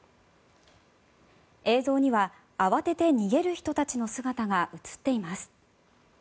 映像には慌てて逃げる人たちの姿が映っています。